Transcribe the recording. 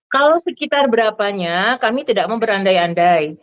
kalau sekitar berapanya kami tidak mau berandai andai